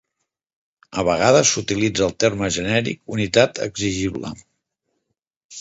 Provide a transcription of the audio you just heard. A vegades s'utilitza el terme genèric unitat exigible.